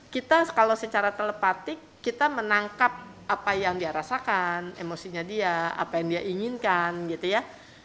kita kalau secara telepatik kita menangkap apa yang dia rasakan emosinya dia apa yang dia inginkan gitu ya